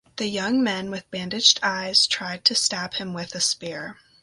The young men with bandaged eyes tried to stab him with a spear.